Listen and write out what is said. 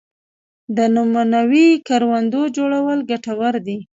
د نمونوي کروندو جوړول ګټور دي